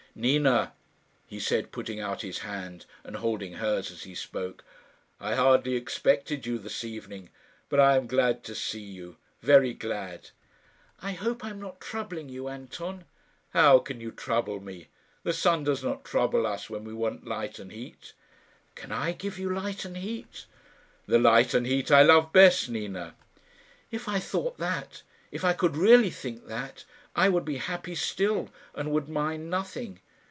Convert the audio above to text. "Nina," he said, putting out his hand, and holding hers as he spoke, "I hardly expected you this evening; but I am glad to see you very glad." "I hope I am not troubling you, Anton?" "How can you trouble me? The sun does not trouble us when we want light and heat." "Can I give you light and heat?" "The light and heat I love best, Nina." "If I thought that if I could really think that I would be happy still, and would mind nothing."